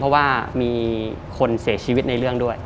เพราะว่ามีคนเสียชีวิตในเรื่องด้วย